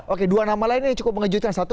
oke dua nama lainnya cukup mengejutkan satu